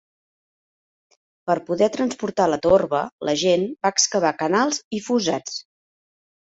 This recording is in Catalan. Per poder transportar la torba, la gent va excavar canals i fossats.